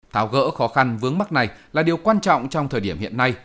tháo gỡ khó khăn vướng mắt này là điều quan trọng trong thời điểm hiện nay